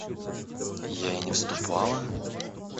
– Я и не вступала.